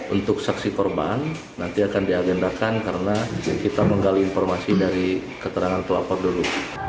untuk saksi korban nanti akan diagendakan karena kita menggali informasi dari keterangan pelapor dulu